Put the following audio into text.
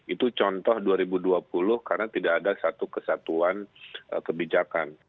itu contoh dua ribu dua puluh karena tidak ada satu kesatuan kebijakan